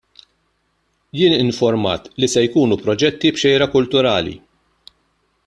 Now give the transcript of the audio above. Jien informat li se jkunu proġetti b'xejra kulturali.